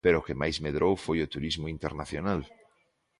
Pero o que máis medrou foi o turismo internacional.